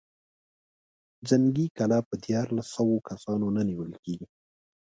جنګي کلا په ديارلسو سوو کسانو نه نېول کېږي.